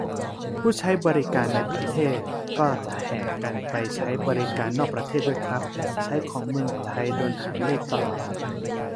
ผู้ใช้บริการในประเทศก็จะแห่กันไปใช้บริการนอกประเทศด้วยครับ ใช้ของเมืองไทย โดนหางเลขตลอด